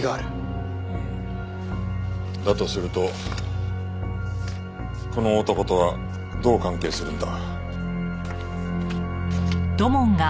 だとするとこの男とはどう関係するんだ？